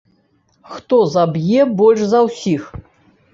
Хто заб'е больш за ўсіх?